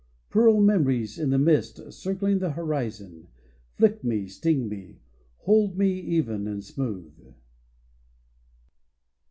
Pearl memories in the mist circling the horizon, fiick me, sting me, hold me even and smooth.